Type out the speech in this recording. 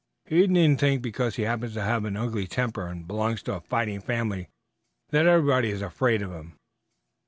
He needn't think because he happens to have an ugly temper and belongs to a fighting family that everybody is afraid of him.